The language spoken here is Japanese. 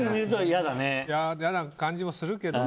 嫌な感じもするけど。